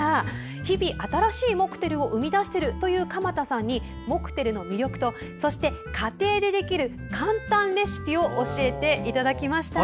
日々、新しいモクテルを生み出しているという鎌田さんにモクテルの魅力とそして家庭でできる簡単レシピを教えていただきました。